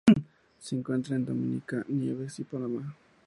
Se encuentra en Dominica, Nieves y Panamá.